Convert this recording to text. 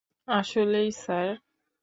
আসলেই, স্যার?